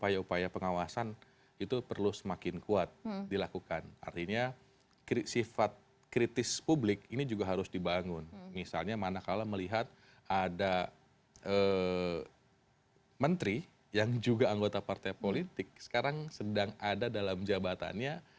yang terkait izin dan lain sebagainya